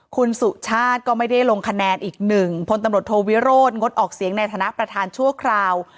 คุณสุชาติก็ไม่ได้ลงคะแนนอีกหนึ่งพลตำรวจโทวิโรธงดออกเสียงในฐานะประธานชั่วคราว